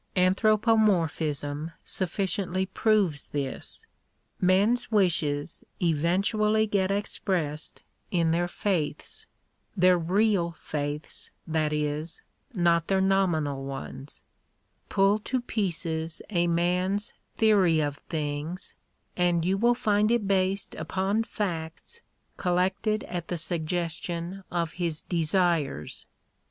Anthropomorphism sufficiently proves this. Men's wishes eventually get expressed in their faiths — their real faiths, Digitized by VjOOQIC THE RIGHTS OF WOMEN. 159 that is ; not their nominal ones. Pull to pieces a man's Theory of Things, and you will find it based upon facts collected at the suggestion of his desires.